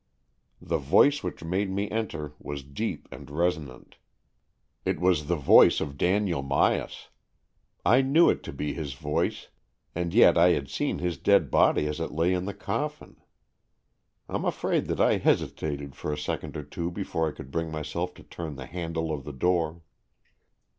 The voice which bade me enter was deep and resonant. It was the voice of Daniel Myas. I knew it to be his voice, and yet I had seen his dead body as it lay in the coffin. Tm afraid that I hesitated for a second or two before I could bring myself to turn the handle of the door.